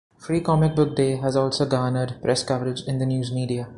Free Comic Book Day has also garnered press coverage in the news media.